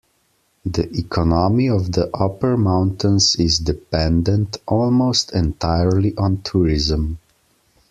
The economy of the upper mountains is dependent almost entirely on tourism.